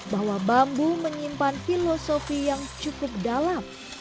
bahwa bambu menyimpan filosofi yang cukup dalam